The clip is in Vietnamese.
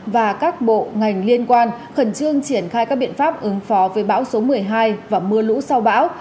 và các bộ ngành liên quan khẩn trương triển khai các biện pháp ứng phó với bão số một mươi hai và mưa lũ sau bão